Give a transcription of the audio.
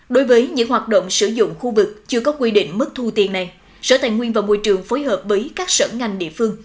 đối với những hoạt động sử dụng khu vực chưa có quy định mức thu tiền này sở tài nguyên và môi trường phối hợp với các sở ngành địa phương